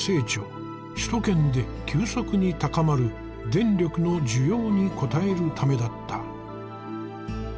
首都圏で急速に高まる電力の需要に応えるためだった。